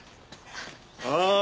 ああ！